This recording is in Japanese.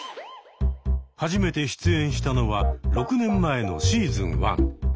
初めて出演したのは６年前のシーズン１。